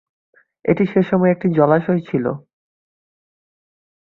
এটি সেসময় একটি জলাশয় ছিল।